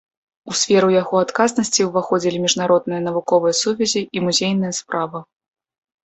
У сферу яго адказнасці ўваходзілі міжнародныя навуковыя сувязі і музейная справа.